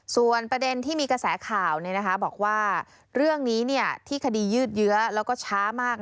ส่วนประเด็นที่มีกระแสข่าวบอกว่าเรื่องนี้ที่คดียืดเยื้อแล้วก็ช้ามาก